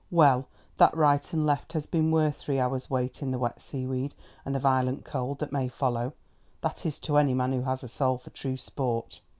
Well, that right and left has been worth three hours' wait in the wet seaweed and the violent cold that may follow—that is, to any man who has a soul for true sport.